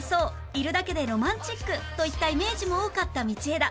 「いるだけでロマンチック」といったイメージも多かった道枝